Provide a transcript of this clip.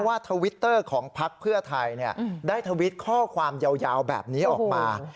ทวิตเตอร์ของพักเพื่อไทยได้ทวิตข้อความยาวแบบนี้ออกมา